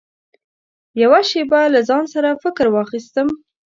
يوه شېبه له ځان سره فکر واخيستم .